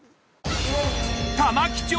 玉城町